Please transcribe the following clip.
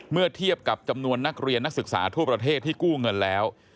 เมื่อเทียบกับจำนวนนักเรียนนักศึกษาทั่วประเทศที่กู้เงินแล้ว